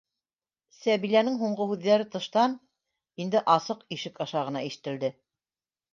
- Сәбиләнең һуңғы һүҙҙәре тыштан, инде асыҡ ишек аша ғына ишетелде...